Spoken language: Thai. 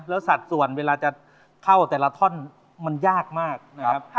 แล้วสัดส่วนเวลาจะเข้าแต่ละท่อนมันยากมากนะครับ